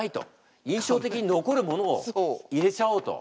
印象的に残るものを入れちゃおうと。